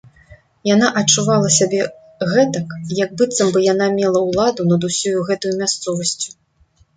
Яна адчувала сябе гэтак, як быццам бы яна мела ўладу над усёю гэтаю мясцовасцю.